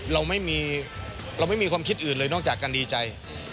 เราไม่มีความคิดอื่นเลยนอกจากการดีใจ